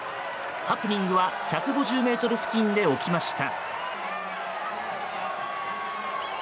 ハプニングは１５０ｍ付近で起きました。